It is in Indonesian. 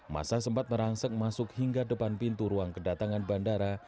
masa sempat merangsek masuk hingga depan pintu ruang kedatangan bandara